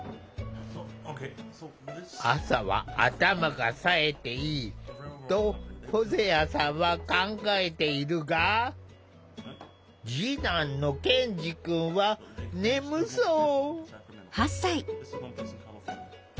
「朝は頭がさえていい」とホゼアさんは考えているが次男のケンジくんは眠そう。